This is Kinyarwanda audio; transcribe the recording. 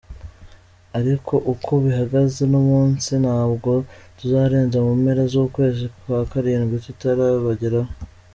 Ariko uko bihagaze uno munsi ntabwo tuzarenza mu mpera z’ukwezi kwa karindwi tutarabageraho.